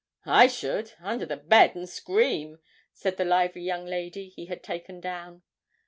'I should under the bed, and scream,' said the lively young lady he had taken down.